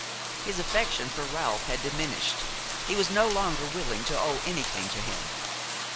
His affection for Ralph had diminished; he was no longer willing to owe anything to him.